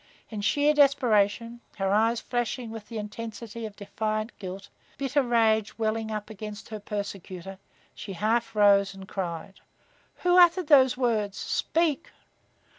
In sheer desperation, her eyes flashing with the intensity of defiant guilt, bitter rage welling up against her persecutor, she half arose and cried: "Who uttered those words? Speak!"